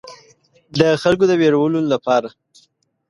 د خلکو د ویرولو لپاره.